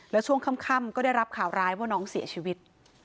แล้วช่วงค่ำก็ได้รับข่าวร้ายว่าน้องเสียชีวิต